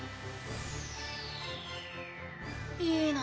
いいな。